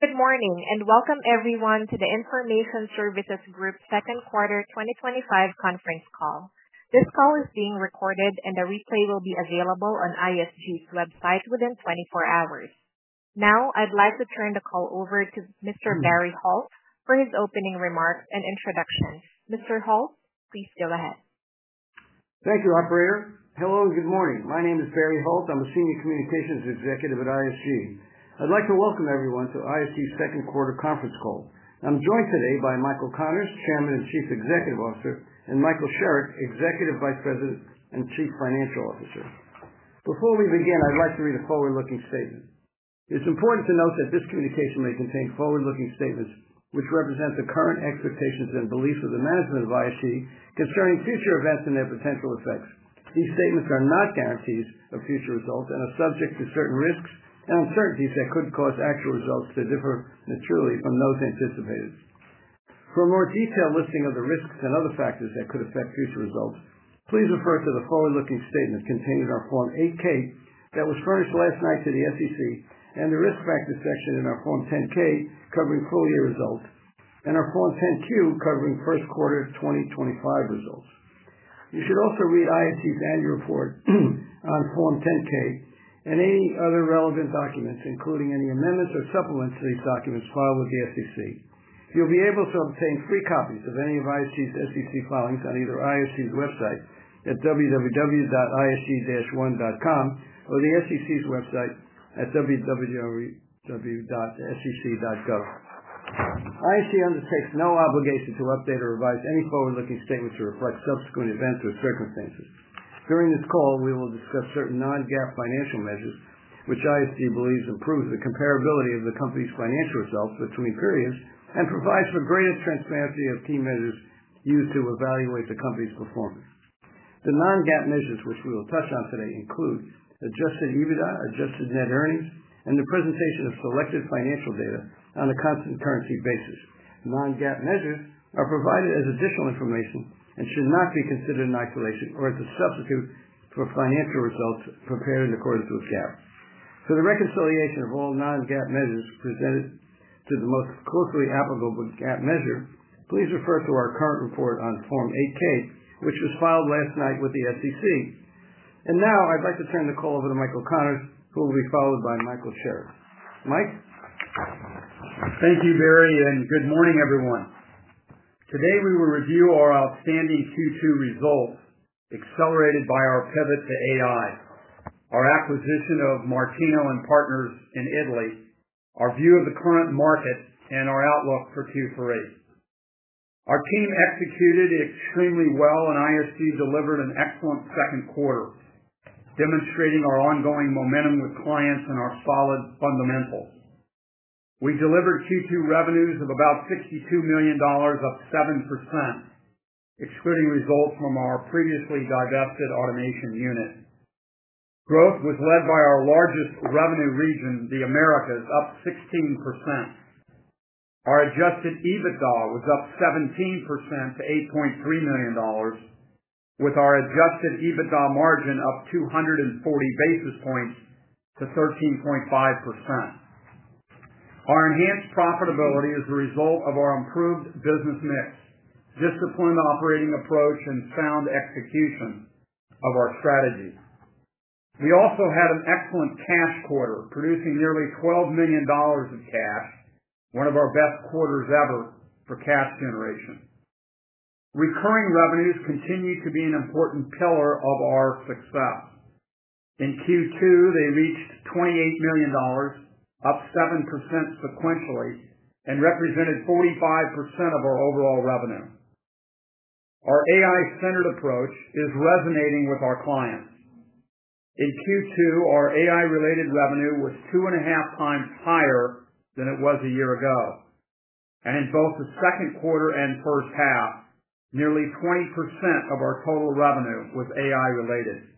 Good morning and welcome everyone to the Information Services Group's Second Quarter 2025 Conference Call. This call is being recorded, and a replay will be available on ISG's website within 24 hours. Now I'd like to turn the call over to Mr. Barry Holt for his opening remarks and introductions. Mr. Holt, please go ahead. Thank you, Operator. Hello and good morning. My name is Barry Holt. I'm a Senior Communications Executive at ISG. I'd like to welcome everyone to ISG's Second Quarter Conference Call. I'm joined today by Michael Connors, Chairman and Chief Executive Officer, and Michael Sherrick, Executive Vice President and Chief Financial Officer. Before we begin, I'd like to read a forward-looking statement. It's important to note that this communication may contain forward-looking statements which represent the current expectations and beliefs of the management of ISG concerning future events and their potential effects. These statements are not guarantees of future results and are subject to certain risks and uncertainties that could cause actual results to differ materially from those anticipated. For a more detailed listing of the risks and other factors that could affect future results, please refer to the forward-looking statement contained in our Form 8-K that was filed last night to the SEC and the Risk Factor section in our Form 10-K covering full-year results and our Form 10-Q covering first quarter 2025 results. You should also read ISG's annual report on Form 10-K and any other relevant documents, including any amendments or supplementary documents filed with the SEC. You'll be able to obtain free copies of any of ISG's SEC filings on either ISG's website at www.isg-1.com or the SEC's website at www.sec.gov. ISG undertakes no obligation to update or revise any forward-looking statements to reflect subsequent events or circumstances. During this call, we will discuss certain non-GAAP financial measures, which ISG believes improves the comparability of the company's financial results between periods and provides for greater transparency of key measures used to evaluate the company's performance. The non-GAAP measures, which we will touch on today, include adjusted EBITDA, adjusted net earnings, and the presentation of selected financial data on a constant currency basis. Non-GAAP measures are provided as additional information and should not be considered in isolation or as a substitute for financial results prepared in accordance with GAAP. For the reconciliation of all non-GAAP measures presented to the most closely applicable GAAP measure, please refer to our current report on Form 8-K, which was filed last night with the SEC. I'd like to turn the call over to Michael Connors, who will be followed by Michael Sherrick. Mike? Thank you, Barry, and good morning everyone. Today we will review our outstanding Q2 results, accelerated by our pivot to AI, our acquisition of Martino & Partners in Italy, our view of the current market, and our outlook for Q3. Our team executed extremely well, and ISG delivered an excellent second quarter, demonstrating our ongoing momentum with clients and our solid fundamentals. We delivered Q2 revenues of about $62 million, up 7%, excluding results from our previously divested automation units. Growth was led by our largest revenue region, the Americas, up 16%. Our adjusted EBITDA was up 17% to $8.3 million, with our adjusted EBITDA margin up 240 basis points to 13.5%. Our enhanced profitability is a result of our improved business mix, disciplined operating approach, and sound execution of our strategies. We also had an excellent cash quarter, producing nearly $12 million of cash, one of our best quarters ever for cash generation. Recurring revenues continue to be an important pillar of our success. In Q2, they reached $28 million, up 7% sequentially, and represented 45% of our overall revenue. Our AI-centered approach is resonating with our clients. In Q2, our AI-related revenue was two and a half times higher than it was a year ago. In both the second quarter and first half, nearly 20% of our total revenue was AI-related.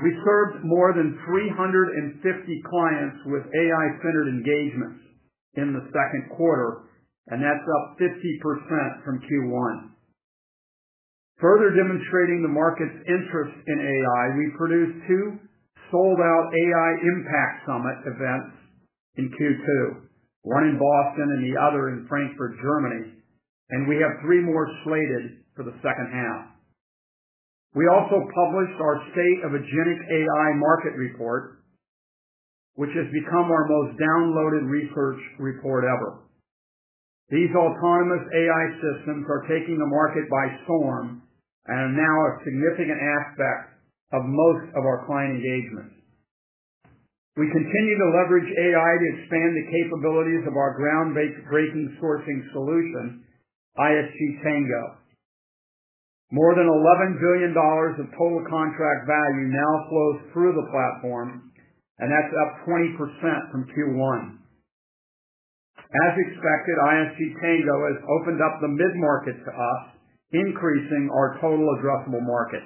We served more than 350 clients with AI-centered engagements in the second quarter, and that's up 50% from Q1. Further demonstrating the market's interest in AI, we've produced two sold out AI Impact Summit events in Q2, one in Boston and the other in Frankfurt, Germany, and we have three more slated for the second half. We also published our State of Agentic AI Market Report, which has become our most downloaded research report ever. These autonomous AI systems are taking the market by storm and are now a significant aspect of most of our client engagement. We continue to leverage AI to expand the capabilities of our groundbreaking sourcing solution, ISG Tango. More than $11 billion of total contract value now flows through the platform, and that's up 20% from Q1. As expected, ISG Tango has opened up the mid-market to us, increasing our total addressable market.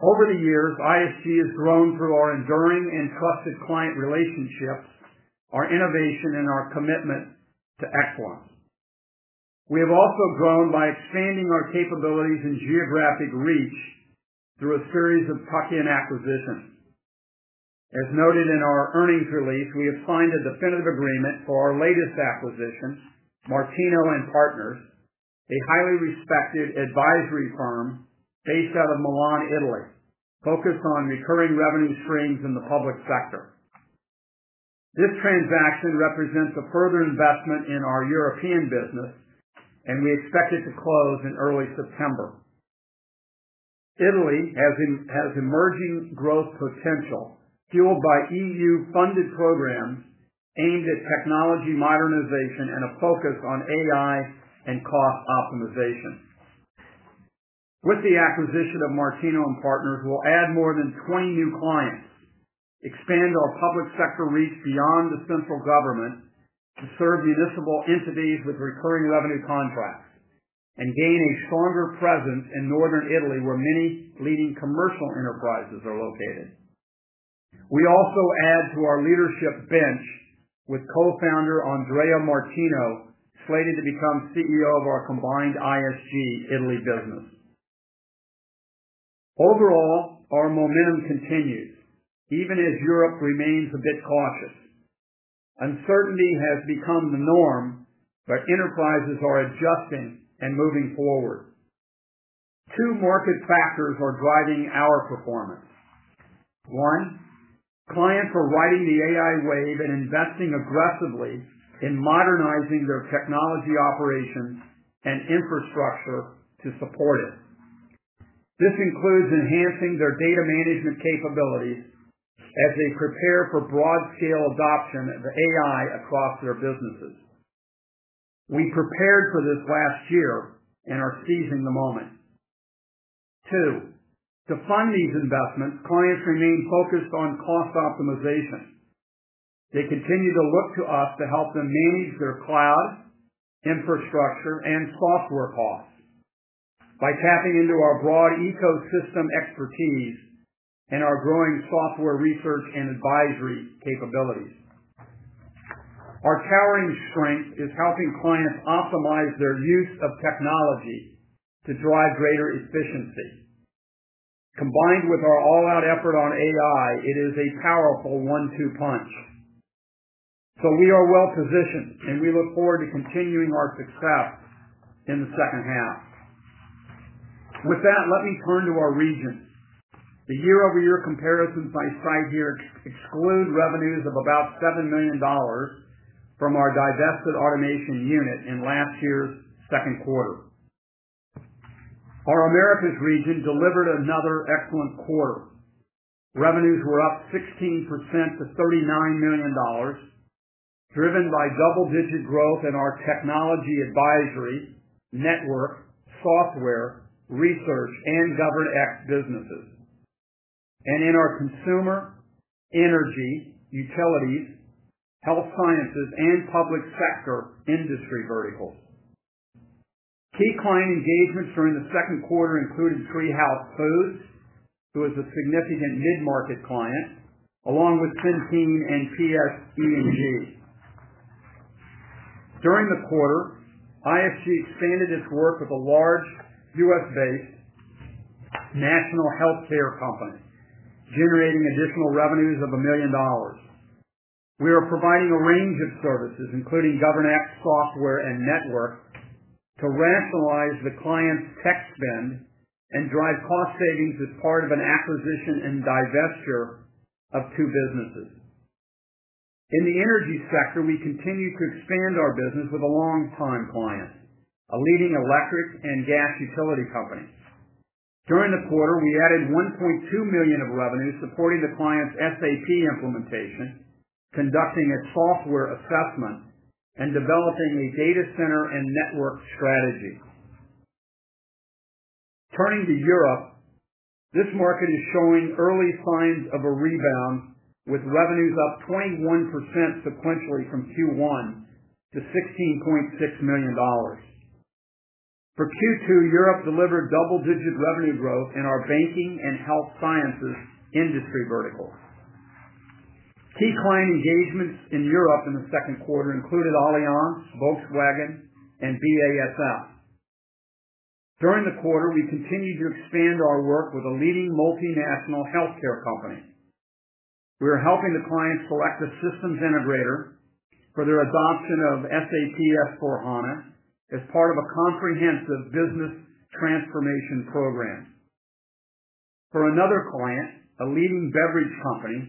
Over the years, ISG has grown through our enduring and trusted client relationships, our innovation, and our commitment to excellence. We have also grown by expanding our capabilities and geographic reach through a series of tuck-in acquisitions. As noted in our earnings release, we have signed a definitive agreement for our latest acquisition, Martino & Partners, a highly respected advisory firm based out of Milan, Italy, focused on recurring revenue streams in the public sector. This transaction represents a further investment in our European business, and we expect it to close in early September. Italy has emerging growth potential fueled by E.U.-funded programs aimed at technology modernization and a focus on AI and cost optimization. With the acquisition of Martino & Partners, we'll add more than 20 new clients, expand our public sector reach beyond the central government to serve municipal entities with recurring revenue contracts, and gain a stronger presence in northern Italy where many leading commercial enterprises are located. We also add to our leadership bench with Co-Founder Andrea Martino slated to become CEO of our combined ISG Italy business. Overall, our momentum continues, even as Europe remains a bit cautious. Uncertainty has become the norm, but enterprises are adjusting and moving forward. Two market factors are driving our performance. One, clients are riding the AI wave and investing aggressively in modernizing their technology operations and infrastructure to support it. This includes enhancing their data management capabilities as they prepare for broad-scale adoption of AI across their businesses. We prepared for this last year and are seizing the moment. Two, to fund these investments, clients remain focused on cost optimization. They continue to look to us to help them manage their cloud infrastructure and software costs by tapping into our broad ecosystem expertise and our growing software research and advisory capabilities. Our towering strength is helping clients optimize their use of technology to drive greater efficiency. Combined with our all-out effort on AI, it is a powerful one-two punch. We are well positioned, and we look forward to continuing our success in the second half. With that, let me turn to our region. The year-over-year comparisons by site here exclude revenues of about $7 million from our divested automation unit in last year's second quarter. Our Americas region delivered another excellent quarter. Revenues were up 16% to $39 million, driven by double-digit growth in our technology advisory, network, software, research, and government-based businesses and in our consumer, energy, utilities, health sciences, and public sector industry verticals. Key client engagements during the second quarter included TreeHouse Foods, who is a significant mid-market client, along with Centene and PSE&G. During the quarter, ISG expanded its work with a large U.S.-based national healthcare company, generating additional revenues of $1 million. We are providing a range of services, including government-based software and network, to rationalize the client's tech spend and drive cost savings as part of an acquisition and divestiture of two businesses. In the energy sector, we continue to expand our business with a long-time client, a leading electric and gas utility company. During the quarter, we added $1.2 million of revenue, supporting the client's SAP implementation, conducting a software assessment, and developing a data center and network strategy. Turning to Europe, this market is showing early signs of a rebound, with revenues up 21% sequentially from Q1 to $16.6 million. For Q2, Europe delivered double-digit revenue growth in our banking and health sciences industry verticals. Key client engagements in Europe in the second quarter included Allianz, Volkswagen, and BASF. During the quarter, we continued to expand our work with a leading multinational healthcare company. We are helping the client select a systems integrator for their adoption of SAP S/4HANA as part of a comprehensive business transformation program. For another client, a lean beverage company,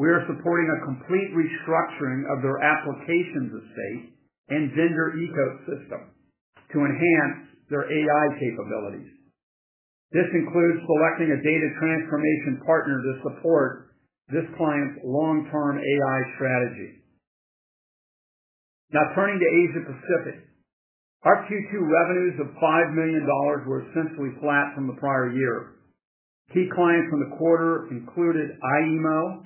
we are supporting a complete restructuring of their applications estate and vendor ecosystem to enhance their AI capabilities. This includes selecting a data transformation partner to support this client's long-term AI strategy. Now turning to Asia Pacific, our Q2 revenues of $5 million were essentially flat from the prior year. Key clients from the quarter included IEMO,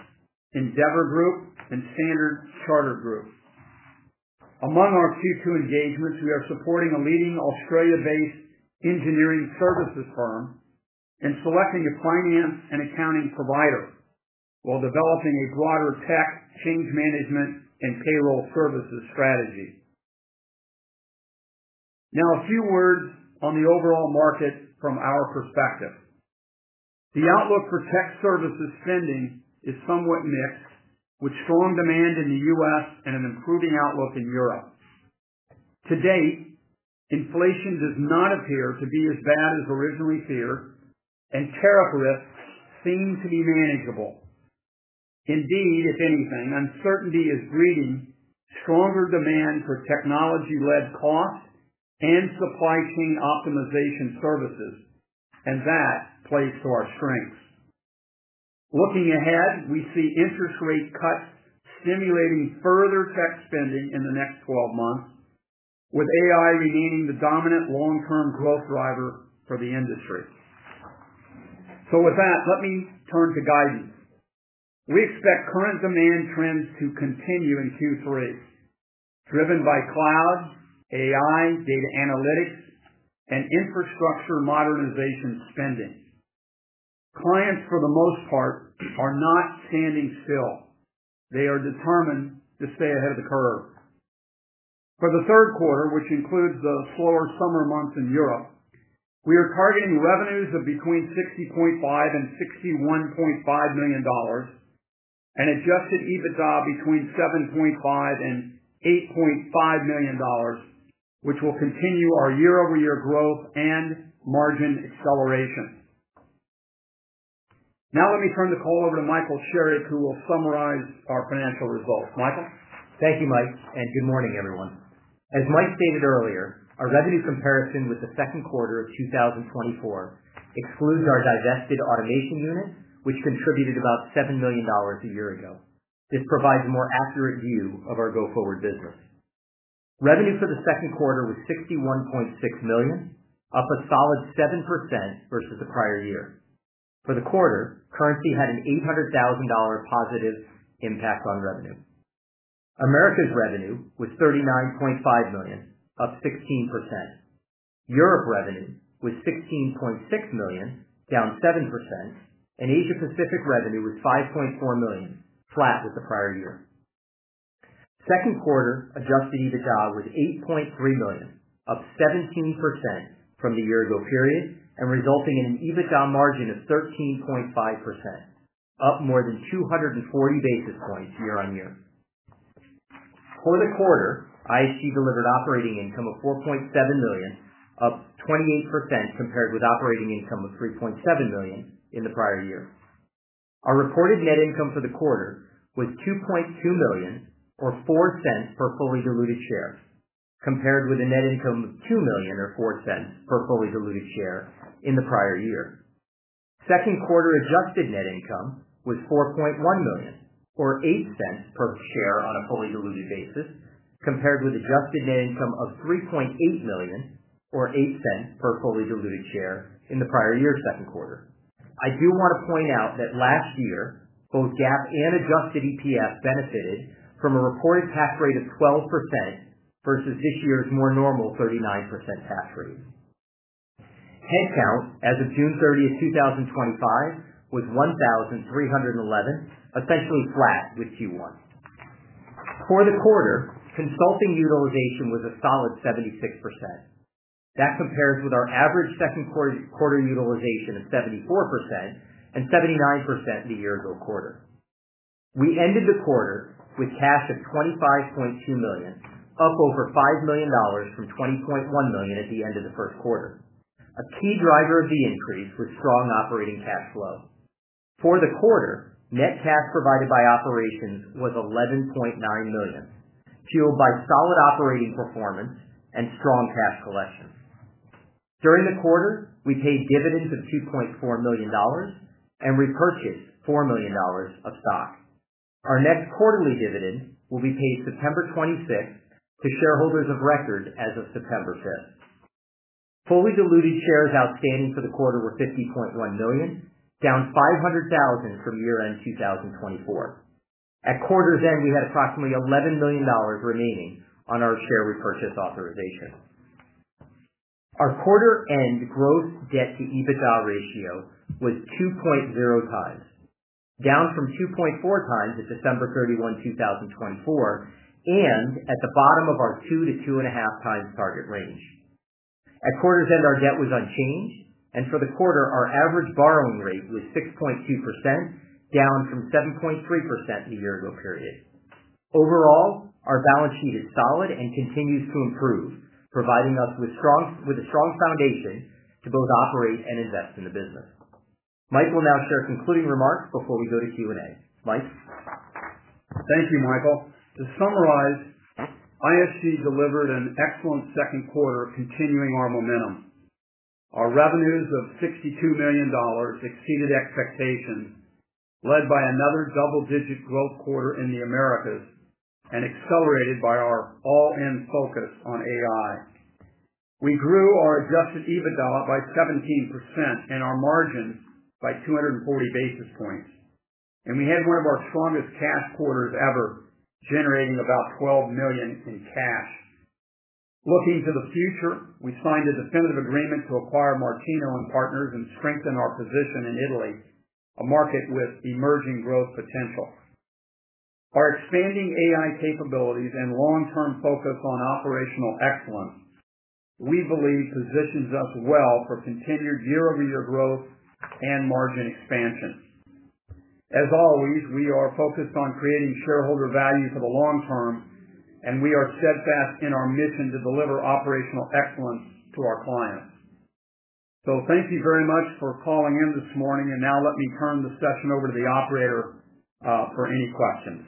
Endeavor Group, and Standard Chartered Groups. Among our Q2 engagements, we are supporting a leading Australia-based engineering services firm and selecting a finance and accounting provider while developing a broader tech change management and payroll services strategy. Now a few words on the overall market from our perspective. The outlook for tech services spending is somewhat mixed, with strong demand in the U.S., and an improving outlook in Europe. To date, inflation does not appear to be as bad as originally feared, and tariff risks seem to be manageable. Indeed, if anything, uncertainty is breeding stronger demand for technology-led cost and supply chain optimization services, and that plays to our strengths. Looking ahead, we see interest rate cuts stimulating further tech spending in the next 12 months, with AI remaining the dominant long-term growth driver for the industry. With that, let me turn to guidance. We expect current demand trends to continue in Q3, driven by cloud, AI, data analytics, and infrastructure modernization spending. Clients, for the most part, are not standing still. They are determined to stay ahead of the curve. For the third quarter, which includes the slower summer months in Europe, we are targeting revenues of between $60.5 million and $61.5 million and adjusted EBITDA between $7.5 million and $8.5 million, which will continue our year-over-year growth and margin accelerations. Now let me turn the call over to Michael Sherrick, who will summarize our financial results. Michael. Thank you, Mike, and good morning everyone. As Mike stated earlier, our revenue comparison with the second quarter of 2024 excludes our divested automation unit, which contributed about $7 million a year ago. This provides a more accurate view of our go-forward business. Revenue for the second quarter was $61.6 million, up a solid 7% versus the prior year. For the quarter, currency had an $800,000 positive impact on revenue. Americas revenue was $39.5 million, up 16%. Europe revenue was $16.6 million, down 7%, and Asia Pacific revenue was $5.4 million, flat with the prior year. Second quarter adjusted EBITDA was $8.3 million, up 17% from the year-ago period and resulting in an EBITDA margin of 13.5%, up more than 240 basis points year on year. For the quarter, ISG delivered operating income of $4.7 million, up 28% compared with operating income of $3.7 million in the prior year. Our reported net income for the quarter was $2.2 million or $0.04 per fully diluted share, compared with a net income of $2 million or $0.04 per fully diluted share in the prior year. Second quarter adjusted net income was $4.1 million or $0.08 per share on a fully diluted basis, compared with adjusted net income of $3.8 million or $0.08 per fully diluted share in the prior year's second quarter. I do want to point out that last year, both GAAP and adjusted EPS benefited from a recorded tax rate of 12% versus this year's more normal 39% tax rate. Headcount as of June 30, 2025, was 1,311, essentially flat with Q1. For the quarter, consulting utilization was a solid 76%. That compares with our average second quarter utilization of 74% and 79% in the year-ago quarter. We ended the quarter with cash at $25.2 million, up over $5 million from $20.1 million at the end of the first quarter. A key driver of the increase was strong operating cash flow. For the quarter, net cash provided by operations was $11.9 million, fueled by solid operating performance and strong cash collection. During the quarter, we paid dividends of $2.4 million and repurchased $4 million of stock. Our next quarterly dividend will be paid September 26th to shareholders of record as of September 5th. Fully diluted shares outstanding for the quarter were 50.1 million, down 500,000 from year-end 2024. At quarter's end, we had approximately $11 million remaining on our share repurchase authorization. Our quarter-end gross debt-to-EBITDA ratio was 2.0x, down from 2.4x at December 31, 2024, and at the bottom of our 2x-2.5x target range. At quarter's end, our debt was unchanged, and for the quarter, our average borrowing rate was 6.2%, down from 7.3% in the year-ago period. Overall, our balance sheet is solid and continues to improve, providing us with a strong foundation to both operate and invest in the business. Mike will now share concluding remarks before we go to Q&A. Mike. Thank you, Michael. To summarize, ISG delivered an excellent second quarter, continuing our momentum. Our revenues of $62 million exceeded expectations, led by another double-digit growth quarter in the Americas and accelerated by our all-in focus on AI. We grew our adjusted EBITDA by 17% and our margins by 240 basis points, and we had one of our strongest cash quarters ever, generating about $12 million in cash. Looking to the future, we signed a definitive agreement to acquire Martino & Partners and strengthen our position in Italy, a market with emerging growth potential. Our expanding AI capabilities and long-term focus on operational excellence, we believe, positions us well for continued year-over-year growth and margin expansion. As always, we are focused on creating shareholder value for the long term, and we are steadfast in our mission to deliver operational excellence to our clients. Thank you very much for calling in this morning, and now let me turn the session over to the operator for any questions.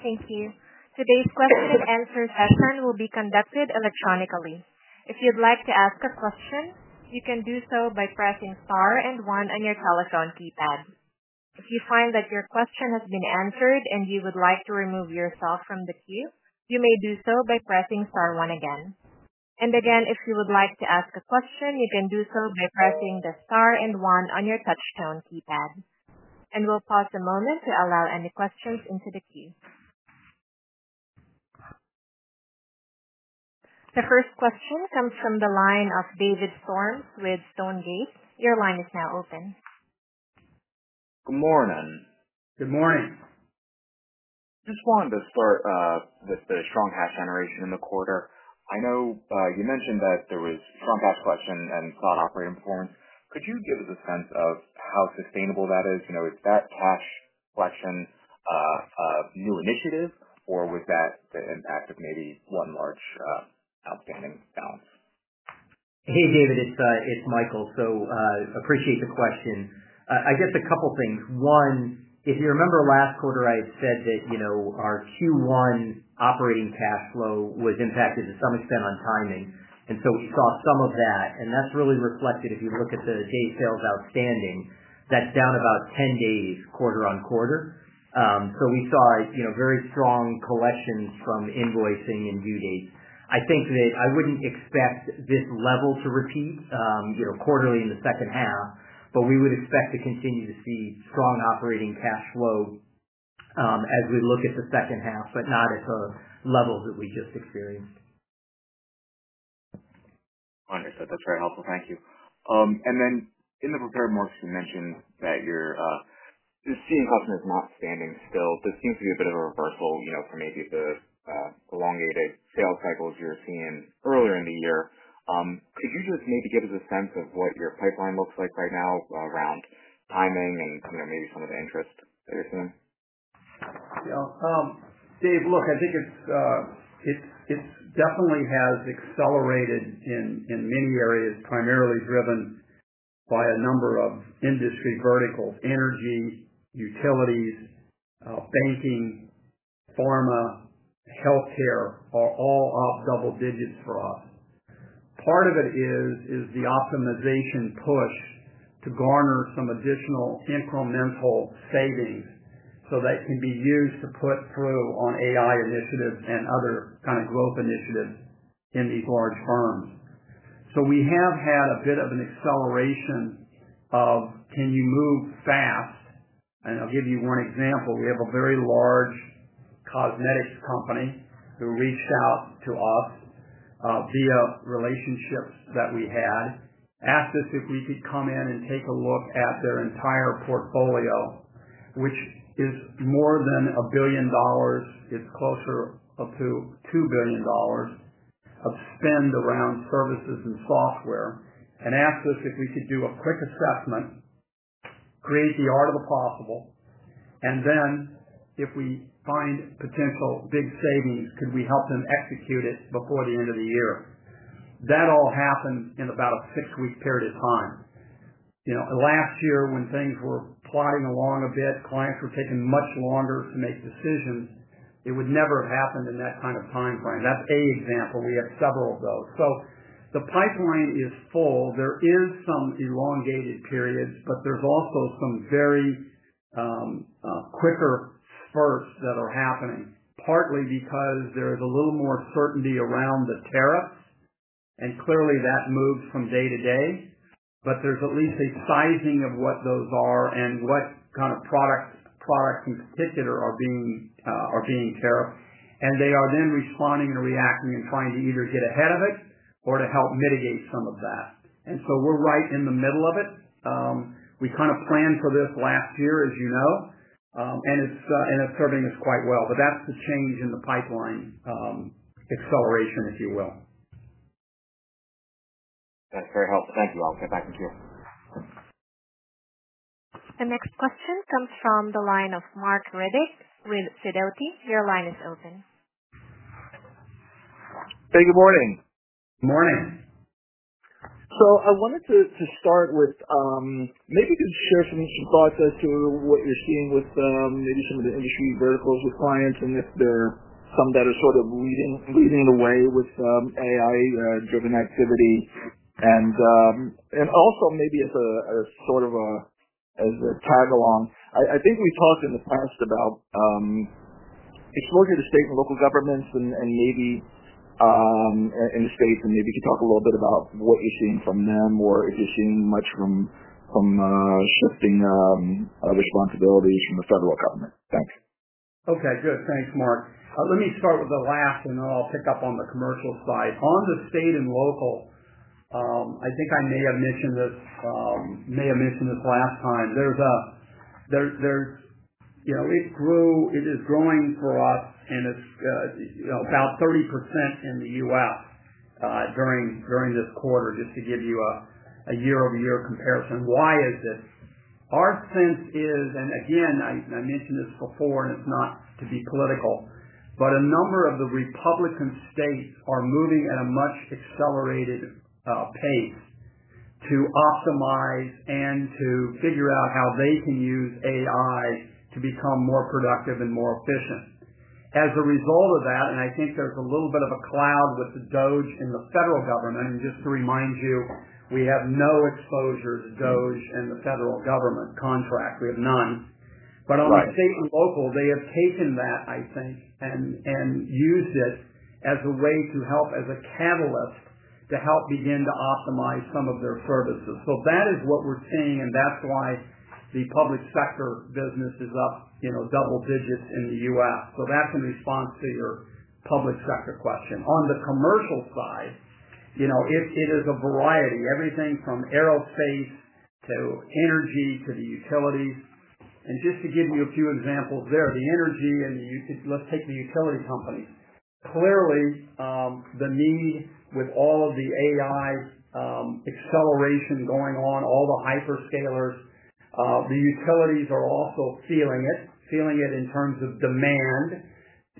Thank you. Today's question-and-answer session will be conducted electronically. If you'd like to ask a question, you can do so by pressing Star and one on your telephone keypad. If you find that your question has been answered and you would like to remove yourself from the queue, you may do so by pressing Star, one again. If you would like to ask a question, you can do so by pressing the Star and one on your touchtone keypad. We'll pause a moment to allow any questions into the queue. The first question comes from the line of David Storms with Stonegate. Your line is now open. Good morning. Good morning. Just wanted to start with the strong cash generation in the quarter. I know you mentioned that there was a trump up question and solid operating performance. Could you give us a sense of how sustainable that is? Is that cash collection a new initiative or was that the impact of maybe one large outstanding balance? Hey, David. It's Michael. I appreciate the question. I guess a couple of things. One, if you remember last quarter, I had said that our Q1 operating cash flow was impacted to some extent on timing, and saw some of that. That's really reflected, if you look at the day sales outstanding, that's down about 10 days quarter on quarter. We saw very strong collections from invoicing and due dates. I think that I wouldn't expect this level to repeat quarterly in the second half, but we would expect to continue to see strong operating cash flow as we look at the second half, but not at the levels that we just experienced. Understood. That's very helpful. Thank you. In the prepared market, you mentioned that you're seeing customers not standing still. This seems to be a bit of a reversal from maybe the elongated sales cycles you were seeing earlier in the year. Could you just maybe give us a sense of what your pipeline looks like right now around timing and maybe some of the interest there? Yeah. Dave, look, I think it definitely has accelerated in many areas, primarily driven by a number of industry verticals: energy, utilities, banking, pharma, healthcare are all up double digits for us. Part of it is the optimization push to garner some additional incremental savings so that can be used to put through on AI initiatives and other kind of growth initiatives in these large firms. We have had a bit of an acceleration of, can you move fast? I'll give you one example. We have a very large cosmetics company who reached out to us via relationships that we had, asked us if we could come in and take a look at their entire portfolio, which is more than $1 billion. It's closer to $2 billion of spend around services and software, and asked us if we should do a quick assessment, create the art of the possible, and then if we find potential big savings, could we help them execute it before the end of the year? That all happened in about a six-week period of time. Last year, when things were plodding along a bit, clients were taking much longer to make decisions. It would never have happened in that kind of timeframe. That's an example. We have several of those. The pipeline is full. There are some elongated periods, but there's also some very quicker spurts that are happening, partly because there is a little more certainty around the tariffs, and clearly that moves from day to day. There's at least a sizing of what those are and what kind of products, products in particular, are being tariffed. They are then responding and reacting and trying to either get ahead of it or to help mitigate some of that. We're right in the middle of it. We kind of planned for this last year, as you know, and it's serving us quite well. That's the change in the pipeline, acceleration, if you will. That's very helpful. Thank you all. I'll get back to you. The next question comes from the line of Marc Riddick with Sidoti. Your line is open. Hey, good morning. Morning. I wanted to start with, maybe you can share for me some thoughts as to what you're seeing with, maybe some of the industry verticals with clients and if there are some that are sort of leading the way with, AI-driven activity. Also, maybe as sort of a tag along, I think we talked in the past about it's working with state and local governments and the states, and maybe you could talk a little bit about what you're seeing from them or if you're seeing much from responsibilities from the federal government. Thanks. Okay. Good. Thanks, Mark. Let me start with the last, and then I'll pick up on the commercial side. On the state and local, I think I may have mentioned this last time. It grew, it is growing, and it's about 30% in the U.S., during this quarter, just to give you a year-over-year comparison. Why is it? Our sense is, and I mentioned this before, and it's not to be political, but a number of the Republican states are moving at a much accelerated pace to optimize and to figure out how they can use AI to become more productive and more efficient. As a result of that, and I think there's a little bit of a cloud with DOGE in the federal government, and just to remind you, we have no exposure to DOGE in the federal government contract. We have none. On state and local, they have taken that and used this as a way to help, as a catalyst to help begin to optimize some of their services. That is what we're seeing, and that's why the public sector business is up double digits in the U.S. That's in response to your public sector question. On the commercial side, it's a variety. Everything from aerospace to energy to the utilities. Just to give you a few examples there, the energy and the utility companies. Clearly, the need with all of the AI acceleration going on, all the hyperscalers, the utilities are also feeling this, feeling it in terms of demand,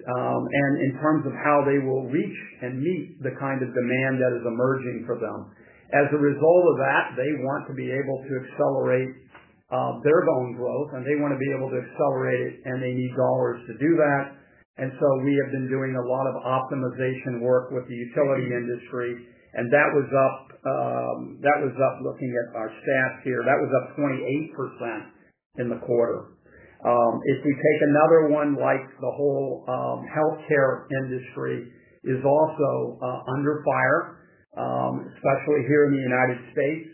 and in terms of how they will reach and meet the kind of demand that is emerging for them. As a result of that, they want to be able to accelerate bare-bone growth, and they want to be able to accelerate it, and they need dollars to do that. We have been doing a lot of optimization work with the utility industry, and that was up, looking at our stats here, that was up 0.8% in the quarter. If we take another one, like the whole healthcare industry is also under fire, especially here in the United States,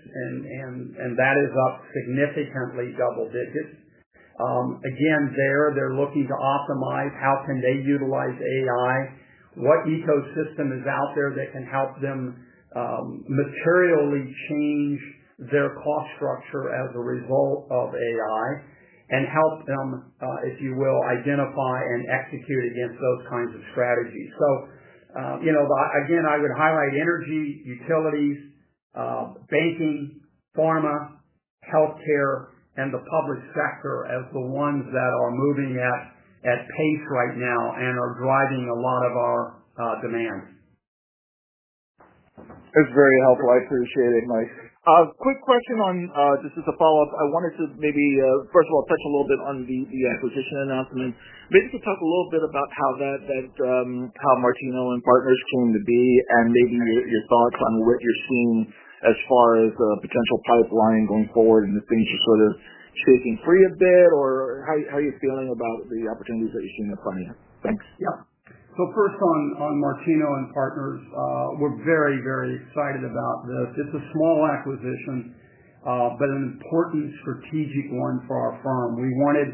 and that is up significantly double digits. Again, they're looking to optimize how can they utilize AI, what ecosystem is out there that can help them materially change their cost structure as a result of AI, and help them, if you will, identify and execute against those kinds of strategies. I would highlight energy, utilities, banking, pharma, healthcare, and the public sector as the ones that are moving at pace right now and are driving a lot of our demands. That's very helpful. I appreciate it, Mike. Quick question, just as a follow-up. I wanted to maybe, first of all, touch a little bit on the acquisition announcement. Maybe just talk a little bit about how Martino & Partners came to be and maybe your thoughts on what you're seeing as far as a potential pipeline going forward and the things you're sort of shaking free a bit or how you're feeling about the opportunities that you're seeing in front of you. Thanks. Yeah. So first on Martino & Partners, we're very, very excited about this. It's a small acquisition, but an important strategic one for our firm. We wanted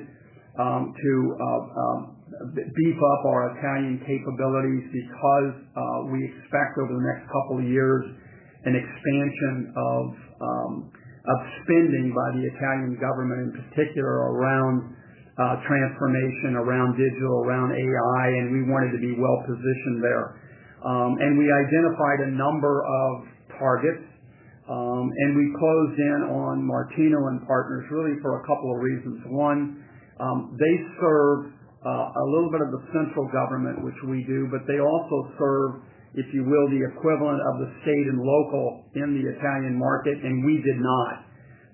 to beef up our Italian capabilities because we expect over the next couple of years an expansion of spending by the Italian government, in particular around transformation, around digital, around AI, and we wanted to be well-positioned there. We identified a number of targets, and we closed in on Martino & Partners really for a couple of reasons. One, they serve a little bit of the central government, which we do, but they also serve, if you will, the equivalent of the state and local in the Italian market, and we did not.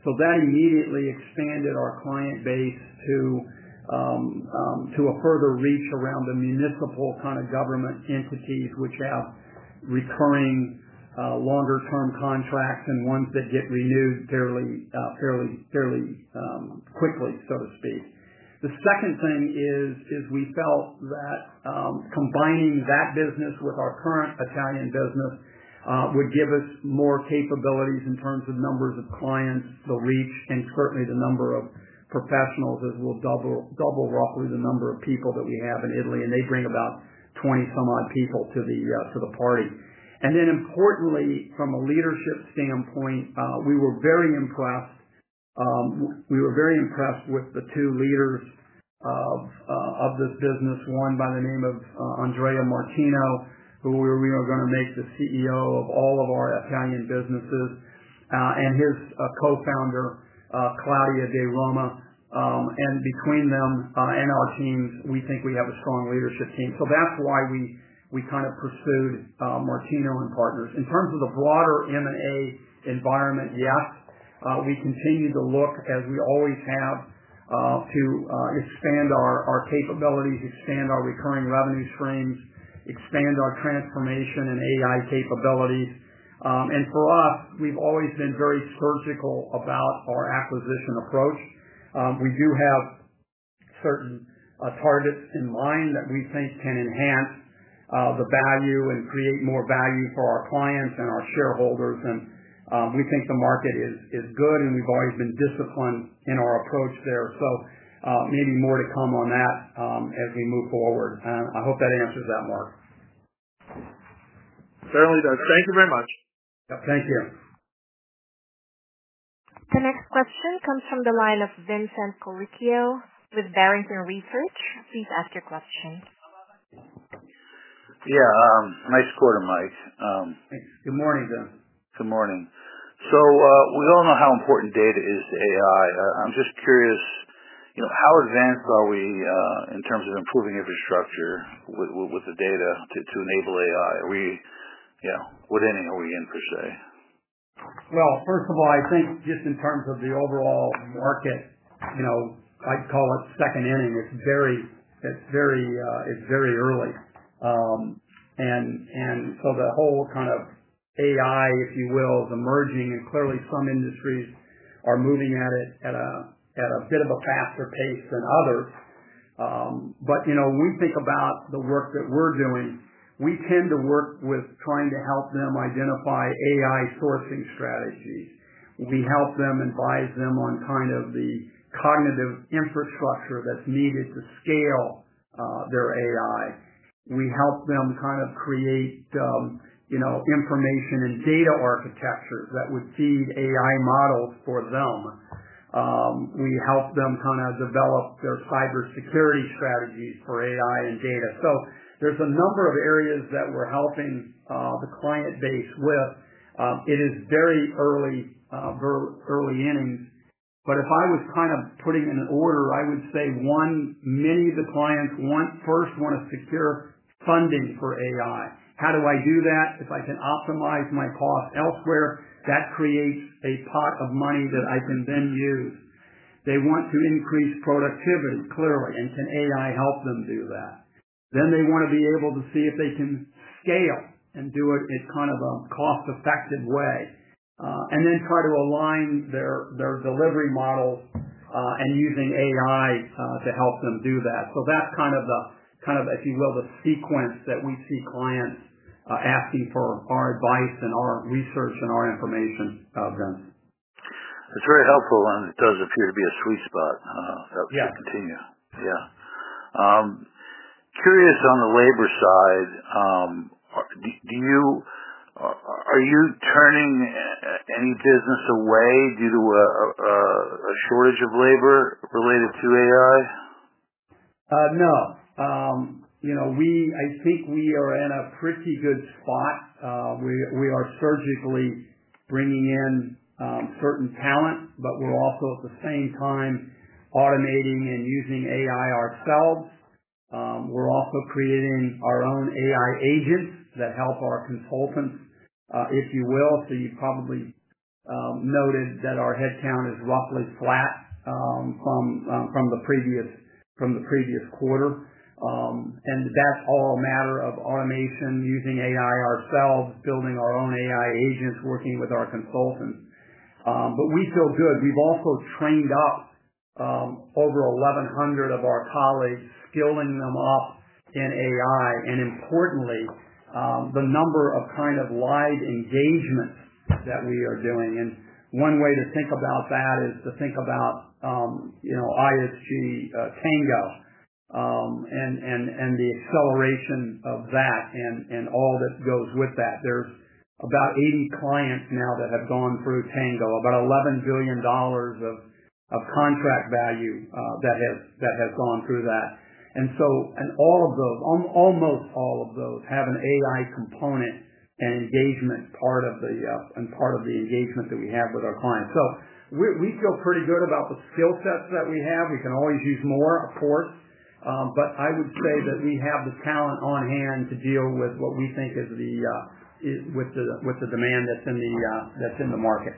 That immediately expanded our client base to a further reach around the municipal kind of government entities, which have recurring, longer-term contracts and ones that get renewed fairly quickly, so to speak. The second thing is we felt that combining that business with our current Italian business would give us more capabilities in terms of numbers of clients, the rates, and certainly the number of professionals, as we'll double roughly the number of people that we have in Italy, and they bring about 20-some-odd people to the party. Importantly, from a leadership standpoint, we were very impressed. We were very impressed with the two leaders of this business, one by the name of Andrea Martino, who we are going to make the CEO of all of our Italian businesses, and his co-founder, Claudia De Roma. Between them and our teams, we think we have a strong leadership team. That's why we kind of pursued Martino & Partners. In terms of the broader M&A environment, yes, we continue to look, as we always have, to expand our capabilities, expand our recurring revenue streams, expand our transformation and AI capabilities. For us, we've always been very surgical about our acquisition approach. We do have certain targets in mind that we think can enhance the value and create more value for our clients and our shareholders. We think the market is good, and we've always been disciplined in our approach there. Maybe more to come on that as we move forward. I hope that answers that, Mark. Fair enough. Thank you very much. Thank you. The next question comes from the line of Vincent Colicchio with Barrington Research. Please ask your question. Yeah, nice quarter, Mike. Thanks. Good morning. Good morning. We all know how important data is to AI. I'm just curious, you know, how advanced are we in terms of improving infrastructure with the data to enable AI? Are we, you know, within an OEM per se? First of all, I think just in terms of the overall market, I'd call it second inning. It's very, very early. The whole kind of AI, if you will, is emerging, and clearly some industries are moving at it at a bit of a faster pace than others. When we think about the work that we're doing, we tend to work with trying to help them identify AI sourcing strategies. We help them, advise them on kind of the cognitive infrastructure that's needed to scale their AI. We help them create information and data architecture that would feed AI models for them. We help them develop their cybersecurity strategies for AI and data. There are a number of areas that we're helping the client base with. It is very early, very early innings. If I was putting in an order, I would say, one, many of the clients first want to secure funding for AI. How do I do that? If I can optimize my cost elsewhere, that creates a pot of money that I can then use. They want to increase productivity, clearly, and can AI help them do that? They want to be able to see if they can scale and do it in a cost-effective way, and then try to align their delivery models, and using AI to help them do that. That's kind of the sequence that we see clients asking for our advice and our research and our information against. That's very helpful. It doesn't appear to be a sweet spot. That's good to continue. Curious on the labor side. Do you, are you turning any business away due to a shortage of labor related to AI? No. You know, we, I think we are in a pretty good spot. We are surgically bringing in certain talent, but we're also at the same time automating and using AI ourselves. We're also creating our own AI agents that help our consultants, if you will. You probably noted that our headcount is roughly flat from the previous quarter. That's all a matter of automation, using AI ourselves, building our own AI agents, working with our consultants. We feel good. We've also trained up over 1,100 of our colleagues, skilling them up in AI, and importantly, the number of kind of live engagements that we are doing. One way to think about that is to think about ISG Tango and the acceleration of that and all that goes with that. There's about 80 clients now that have gone through Tango, about $11 billion of contract value that has gone through that. Almost all of those have an AI component and engagement part of the engagement that we have with our clients. We feel pretty good about the skill sets that we have. We can always use more, of course, but I would say that we have the talent on hand to deal with what we think is the demand that's in the market.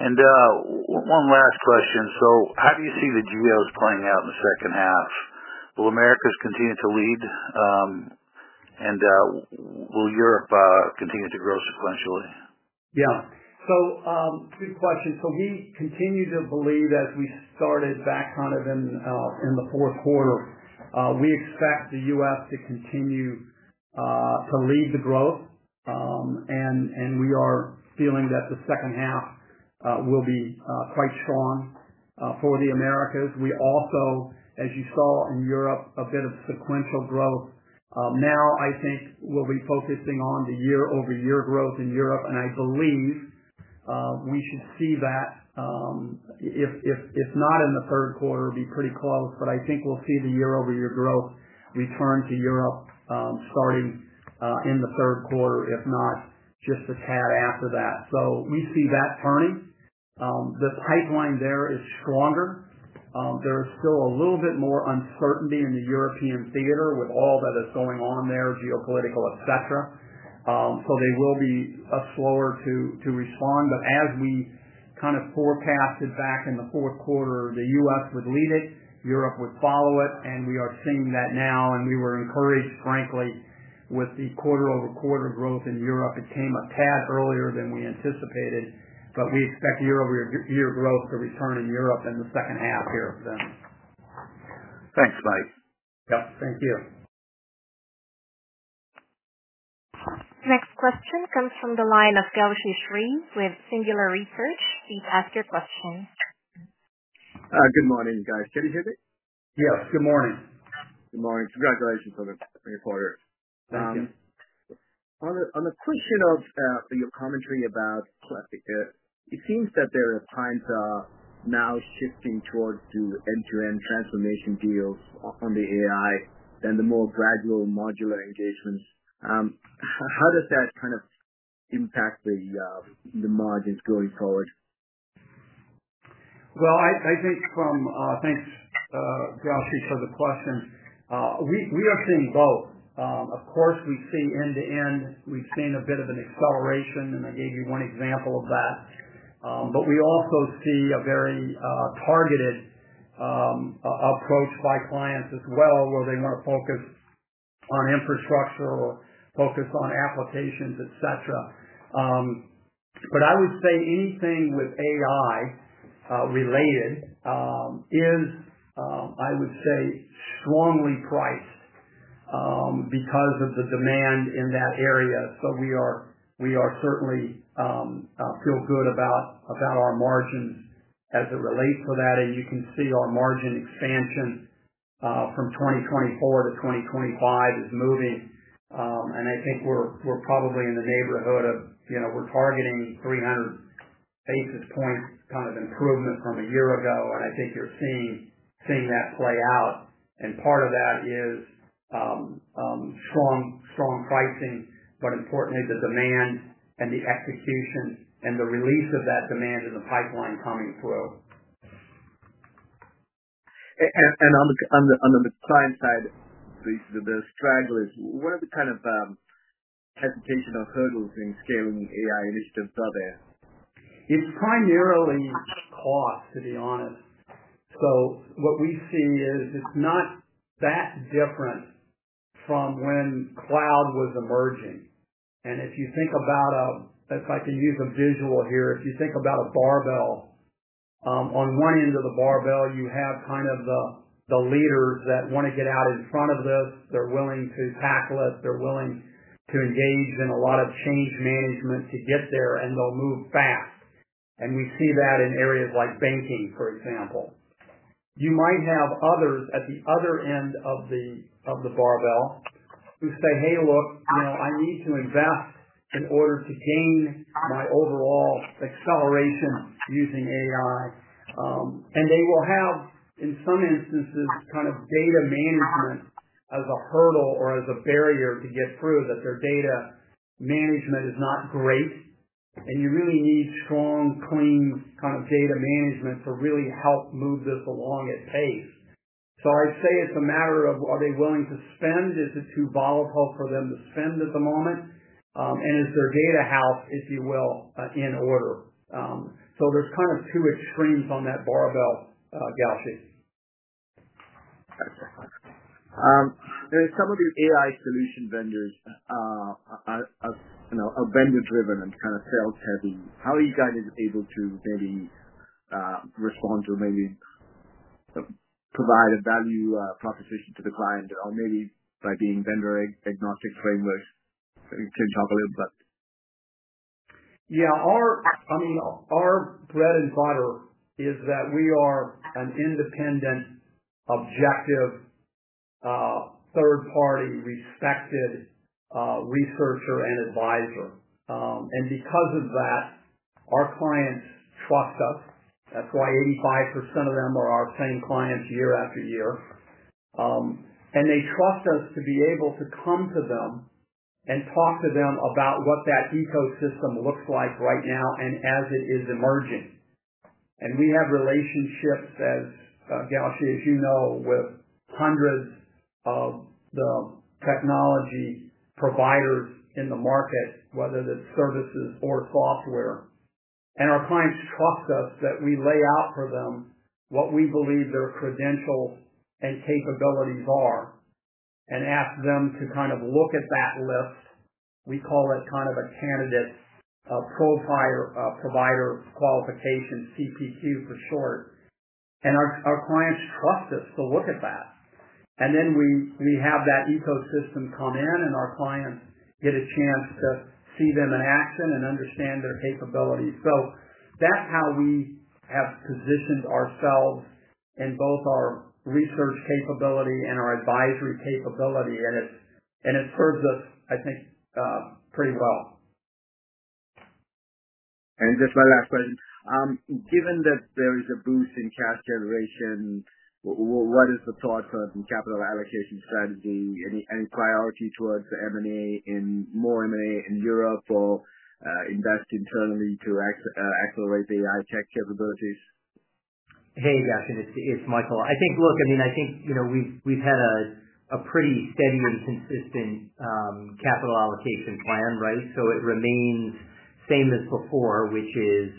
One last question. How do you see the drills playing out in the second half? Will the Americas continue to lead, and will Europe continue to grow sequentially? Yeah. Good question. We continue to believe, as we started back in the fourth quarter, we expect the U.S., to continue to lead the growth, and we are feeling that the second half will be quite strong for the Americas. We also, as you saw in Europe, saw a bit of sequential growth. Now I think we'll be focusing on the year-over-year growth in Europe, and I believe we should see that, if not in the third quarter, it'd be pretty close. I think we'll see the year-over-year growth return to Europe starting in the third quarter, if not just a tad after that. We see that turning. The pipeline there is stronger. There is still a little bit more uncertainty in the European theater with all that is going on there, geopolitical, etc., so they will be slower to respond. As we forecasted back in the fourth quarter, the U.S., would lead it, Europe would follow it, and we are seeing that now. We were encouraged, frankly, with the quarter-over-quarter growth in Europe. It came a tad earlier than we anticipated, but we expect year-over-year growth to return in Europe in the second half here for them. Thanks, Mike. Thank you. Next question comes from the line of Gowshihan Sriharan with Singular Research. Please ask your questions. Good morning, guys. Can you hear me? Yes, good morning. Good morning. Congratulations on the three quarters. Thank you. On the question of your commentary about, it seems that there are times now shifting towards the end-to-end transformation deals on the AI and the more gradual modular engagements. How does that kind of impact the margins going forward? Thank you, Gowshi, for the question. We are seeing both. Of course, we've seen end-to-end. We've seen a bit of an acceleration, and I gave you one example of that. We also see a very targeted approach by clients as well, where they want to focus on infrastructure or focus on applications, etc. I would say anything with AI-related is, I would say, strongly priced because of the demand in that area. We certainly feel good about our margins as it relates to that. You can see our margin expansions from 2024-2025 is moving. I think we're probably in the neighborhood of, you know, we're targeting 300 basis points kind of improvement from a year ago, and I think you're seeing that play out. Part of that is strong, strong pricing, but importantly, the demand and the execution and the release of that demand in the pipeline coming through. On the client side, these are the struggles. What are the kind of hesitation or hurdles in scaling AI initiatives are there? It's primarily cost, to be honest. What we see is it's not that different from when cloud was emerging. If you think about a, if I can use a visual here, if you think about a barbell, on one end of the barbell, you have kind of the leaders that want to get out in front of this. They're willing to tackle it. They're willing to engage in a lot of change management to get there, and they'll move fast. We see that in areas like banking, for example. You might have others at the other end of the barbell who say, "Hey, look, you know, I need to invest in order to gain my overall acceleration using AI." They will have, in some instances, kind of data management as a hurdle or as a barrier to get through, that their data management is not great, and you really need strong, clean kind of data management to really help move this along at pace. I'd say it's a matter of, are they willing to spend? Is it too volatile for them to spend at the moment? Is their data health, if you will, in order? They're kind of two extremes on that barbell, Gowshi. In some of the AI solution vendors, you know, are vendor-driven and kind of sales-heavy. How are you guys able to get, respond to or maybe provide a value proposition to the client? Or maybe by being vendor-agnostic frameworks? Can you talk a little bit about that? Yeah. I mean, our bread and butter is that we are an independent, objective, third-party respected researcher and advisor, and because of that, our clients trust us. That's why 85% of them are our paying clients year after year, and they trust us to be able to come to them and talk to them about what that ecosystem looks like right now and as it is emerging. We have relationships, as, Gelsie, as you know, with hundreds of the technology providers in the market, whether that's services or software. Our clients trust us that we lay out for them what we believe their credentials and capabilities are and ask them to kind of look at that list. We call it kind of a candidate's profile, provider qualification, CPQ for short. Our clients trust us to look at that. We have that ecosystem come in, and our clients get a chance to see them in action and understand their capabilities. That's how we have positioned ourselves in both our research capability and our advisory capability, and it serves us, I think, pretty well. Just one last question. Given that there is a boost in cash generation, what is the thought for the capital allocation strategy? Any priority towards M&A in Europe, or invest internally to accelerate the AI tech capabilities? Hey, Gowshi. It's Michael. I think, look, I mean, I think, you know, we've had a pretty steady and consistent capital allocation plan, right? It remains the same as before, which is,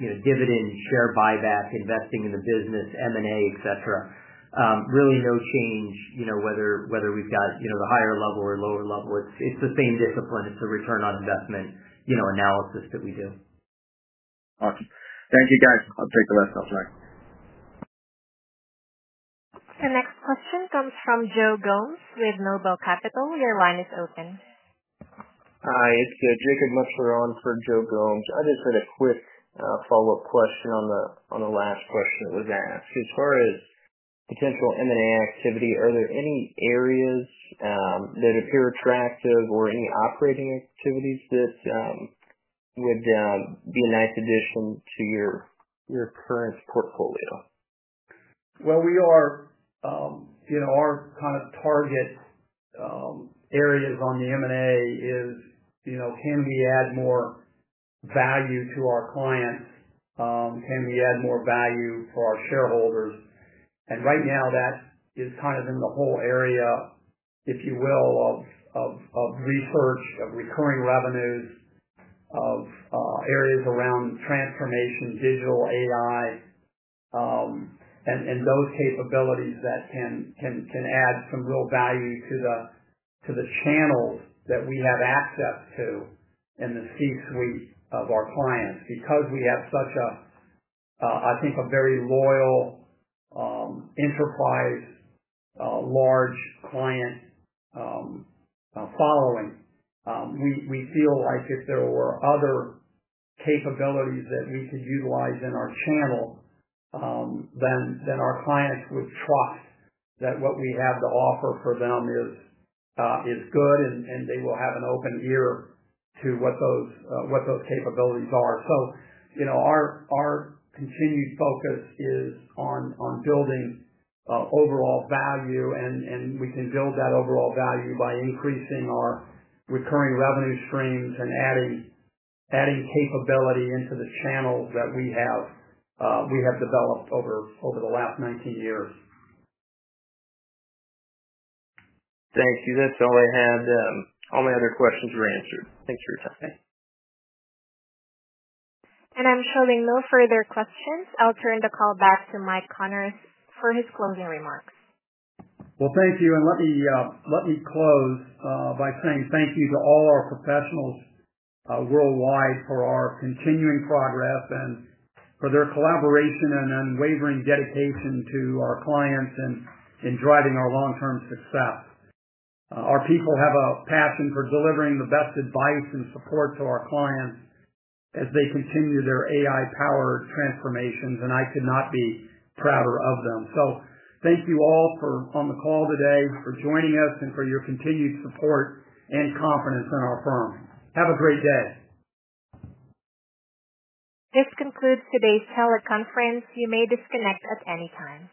you know, dividends, share buybacks, investing in the business, M&A, etc. Really no change, you know, whether we've got the higher level or lower level. It's the same discipline. It's the return on investment analysis that we do. Awesome. Thank you, guys. I'll take the last slide. The next question comes from Joe Gomes with NOBLE Capital. Your line is open. Hi. It's Jacob Mutchler from Joe Gomes. I just have a quick follow-up question on the last question that was asked. As far as potential M&A activity, are there any areas that are bureaucratic or any operating activities that would be a nice addition to your current portfolio? Our kind of target areas on the M&A is, you know, can we add more value to our clients? Can we add more value for our shareholders? Right now, that is kind of in the whole area, if you will, of research, of recurring revenues, of areas around transformation, digital AI, and those capabilities that can add some real value to the channels that we have access to in the C-suite of our clients. Because we have such a, I think, a very loyal, enterprise, large client following, we feel like if there were other capabilities that we could utilize in our channel, then our clients would trust that what we have to offer for them is good and they will have an open ear to what those capabilities are. Our continued focus is on building overall value, and we can build that overall value by increasing our recurring revenue streams and adding capability into the channels that we have developed over the last 19 years. Thank you. That's all I had. All my other questions were answered. Thanks for your time. I'm showing no further questions. I'll turn the call back to Mike Connors for his closing remarks. Thank you to all our professionals worldwide for our continuing progress and for their collaboration and unwavering dedication to our clients and in driving our long-term success. Our people have a passion for delivering the best advice and support to our clients as they continue their AI-powered transformations, and I could not be prouder of them. Thank you all on the call today for joining us and for your continued support and confidence in our firm. Have a great day. This concludes today's teleconference. You may disconnect at any time.